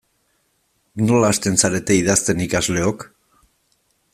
Nola hasten zarete idazten ikasleok?